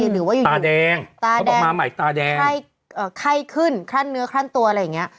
หรือว่าตาแดงเขาบอกมาใหม่ตาแดงไข้ขึ้นคลั่นเนื้อคลั่นตัวอะไรอย่างเงี้ย